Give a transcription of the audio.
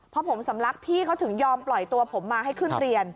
พอผมสำลักพี่เขาถึงยอมปล่อยตัวผมมาให้ขึ้นเรียน